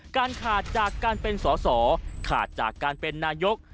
การขาดจากการเป็นสอสอขาดจากการเป็นนายก